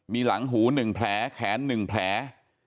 มีหลังหู๑แผลแขน๑แผล